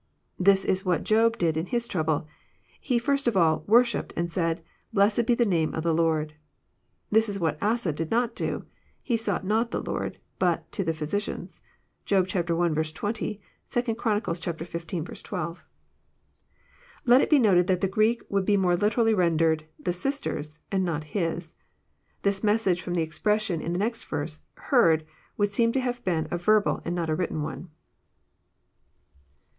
This is what Job did in his trouble : he first of all " worshipped," and said, Blessed be the name of the Lord." This is what Asa did not do :He sought not to the Lord, but to the physicians." (Job i. 20; 2 Chron. xv. 12.) Let it be noted that the Greek would be more literally ren dered " the sisters," and not *' his." This message, from the expression In next verse, heard," would seem to have been a verbal and not a written one.